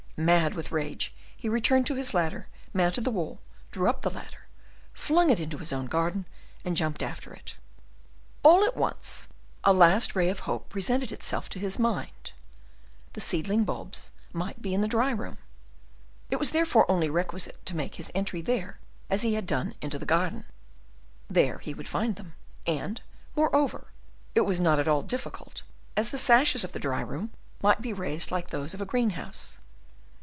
Mad with rage, he returned to his ladder, mounted the wall, drew up the ladder, flung it into his own garden, and jumped after it. All at once, a last ray of hope presented itself to his mind: the seedling bulbs might be in the dry room; it was therefore only requisite to make his entry there as he had done into the garden. There he would find them, and, moreover, it was not at all difficult, as the sashes of the dry room might be raised like those of a greenhouse.